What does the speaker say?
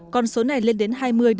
còn số này lên đến hai mươi bốn mươi